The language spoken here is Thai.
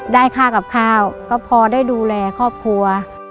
ได้ค่ากับข้าวก็พอได้ดูแลครอบครัว